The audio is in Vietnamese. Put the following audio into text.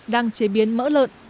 đang chế biến mỡ lợn